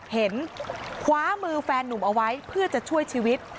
เห็นคว้ามือแฟนนุ่มเอาไว้เพื่อจะช่วยชีวิต